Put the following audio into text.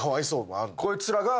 こいつらが。